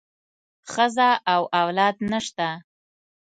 ښځه او اولاد نشته.